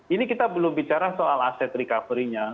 ini kita belum bicara soal aset recovery nya